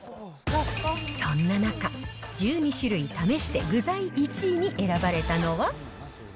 そんな中、１２種類試して具材１位に選ばれたのは。